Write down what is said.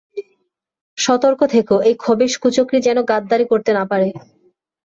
সতর্ক থেকো, এই খবীস কুচক্রী যেন গাদ্দারী করতে না পারে।